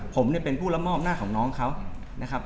ผมเนี่ยเป็นผู้รับมอบหน้าของน้องเขานะครับ